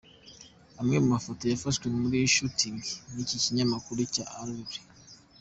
Imwe mu mafoto yafashwe muri 'shooting' n'iki kinyamakuru cya Allure.